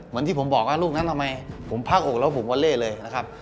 เหมือนที่ผมบอกว่าลูกนั้นทำไมผมพักอกแล้วผมวอเล่เลยนะครับ